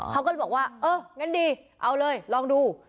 เขาก็เลยบอกว่าเอองั้นดีเอาเลยลองดู